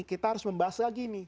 kita harus membahas lagi nih